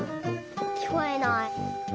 きこえない。